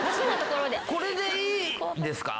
これでいいですか？